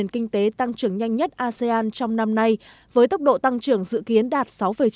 nền kinh tế tăng trưởng nhanh nhất asean trong năm nay với tốc độ tăng trưởng dự kiến đạt sáu chín